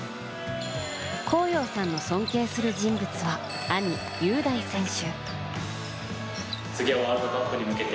公陽さんの尊敬する人物は兄・優大選手。